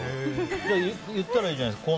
言ったらいいじゃないですか。